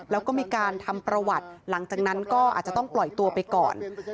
แล้วก็มีการทำประวัติหลังจากนั้นก็อาจจะต้องปล่อยตัวไปก่อน